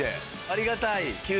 ありがたい。